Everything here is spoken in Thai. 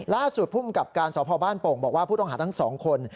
ล่าสุดภูมิกับการสพบ้านโป่งบอกว่าผู้ต้องหาทั้งสองคน